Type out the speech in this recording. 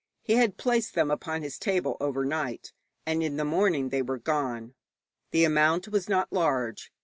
He had placed them upon his table overnight, and in the morning they were gone. The amount was not large.